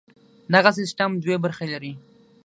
دغه سیستم دوې برخې لري.